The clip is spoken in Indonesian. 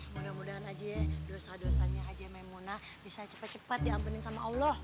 mudah mudahan aja ya dosa dosanya haja maimunah bisa cepet cepet diampenin sama allah